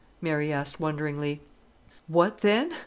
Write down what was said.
Mary asked wonderingly. "What then?